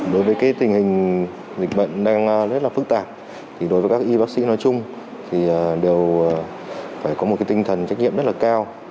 đối với tình hình dịch bệnh đang rất là phức tạp thì đối với các y bác sĩ nói chung thì đều phải có một tinh thần trách nhiệm rất là cao